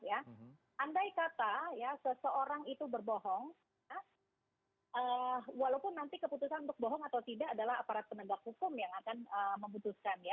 andai kata seseorang itu berbohong walaupun nanti keputusan untuk bohong atau tidak adalah aparat penegak hukum yang akan memutuskan ya